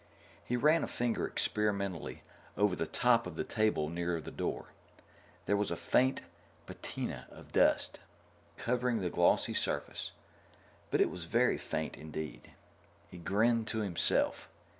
He ran a finger experimentally over the top of the table near the door. There was a faint patina of dust covering the glossy surface, but it was very faint, indeed. He grinned to himself.